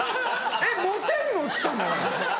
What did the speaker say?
「えっ持てんの？」っつったんだから。